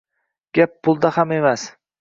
Gap pulda ham emas.